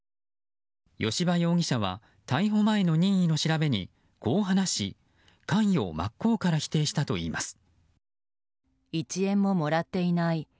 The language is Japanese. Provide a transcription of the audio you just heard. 吉羽容疑者は逮捕前の任意の調べにこう話し、関与を真っ向から否定したといいます。